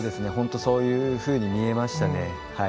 本当にそういうふうに見えましたね。